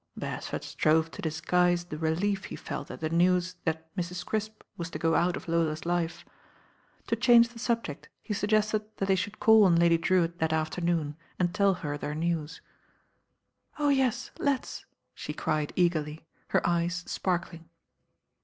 Beresford strove to disguise the relief he felt at the news that Mrs. Crisp was to go out of Lola's life. To change the subject he suggested that they should call on Lady Drewitt that afternoon and tell her their news. 378 LADY DREWITT'S ALARM f79 ^ "Oh I yes, let's," she cried eagerly, her eyes sparkling.